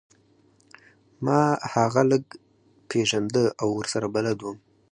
ما هغه لږ پیژنده او ورسره بلد وم